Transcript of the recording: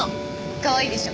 かわいいでしょ。